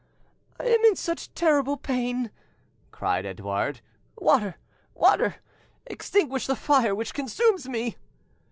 "I am in such terrible pain!" cried Edouard. "Water! water! Extinguish the fire which consumes me!"